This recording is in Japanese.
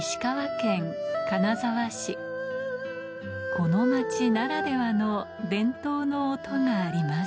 この町ならではの伝統の音があります